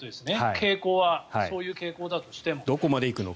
傾向はそういう傾向だとしても。